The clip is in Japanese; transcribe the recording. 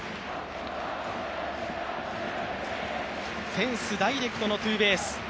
フェンスダイレクトのツーベース。